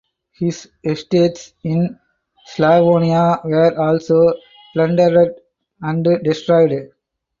His estates in Slavonia were also plundered and destroyed.